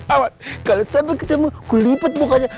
awan kalau sampai ketemu kulipat mukanya